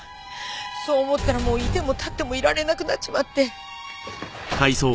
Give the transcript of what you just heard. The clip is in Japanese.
そう思ったらもういてもたってもいられなくなっちまって。